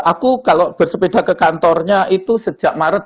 aku kalau bersepeda ke kantornya itu sejak maret dua ribu enam